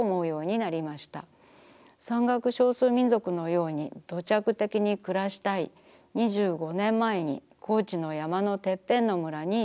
山岳少数民族のように土着的にくらしたい２５年まえに高知の山のてっぺんの村に移住しました。